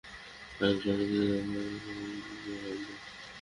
পাগলি কাঁদলে কোন কিছুর সমাধান হয় না।